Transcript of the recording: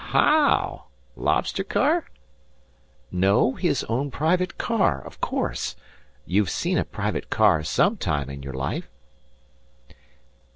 "Haow? Lobster car?" "No. His own private car, of course. You've seen a private car some time in your life?"